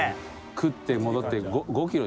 食って戻って５キロでしょ？